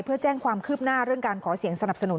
เพื่อแจ้งความคืบหน้าเรื่องการขอเสียงสนับสนุน